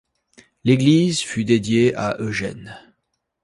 L'église fut dédiée à Eugène.